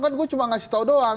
kan gue cuma ngasih tau doang